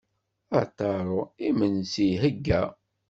A Taro, imensi iheyya.